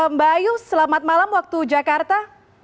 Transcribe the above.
mbak ayu selamat malam waktu jakarta